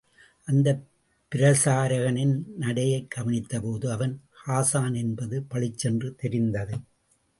அந்தப் பிரசாரகனின் நடையைக் கவனித்தபோது அவன் ஹாஸான் என்பது பளிச்சென்று தெரிந்தது.